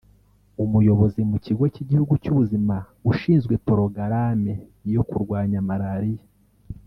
Umuyobozi mu Kigo cy’igihugu cy’Ubuzima ushinzwe Porogarame yo kurwanya Malariya